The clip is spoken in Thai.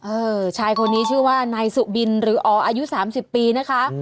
เออชายคนนี้ชื่อว่านายสุบินหรืออ๋ออายุ๓๐ปีนะคะ